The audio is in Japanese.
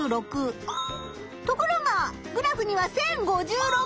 ところがグラフには１，０５６！